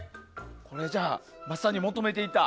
これ、じゃあまさに求めていた。